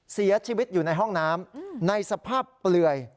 เสียชีวิตอยู่ในห้องน้ำในสภาพเปลือย